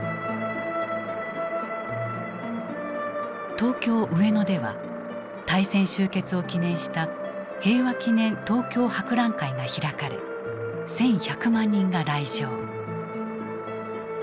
東京・上野では大戦終結を記念した平和記念東京博覧会が開かれ１，１００万人が来場。